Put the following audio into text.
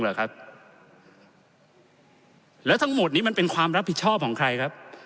เหรอครับแล้วทั้งหมดนี้มันเป็นความรับผิดชอบของใครครับ